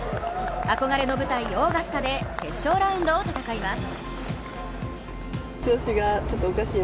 憧れの舞台・オーガスタで決勝ラウンドを戦います。